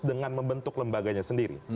dengan membentuk lembaganya sendiri